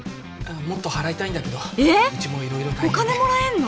もっと払いたいんだけどえっうちも色々大変でお金もらえんの？